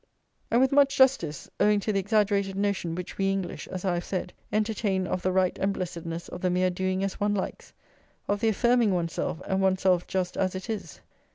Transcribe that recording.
And with much justice; owing to the exaggerated notion which we English, as I have said, entertain of the right and blessedness of the mere doing as one likes, of the affirming oneself, and oneself just as it is.